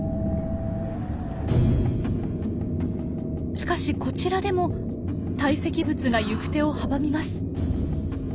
しかしこちらでも堆積物が行く手を阻みます。